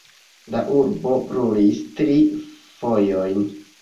La urbo brulis tri fojojn.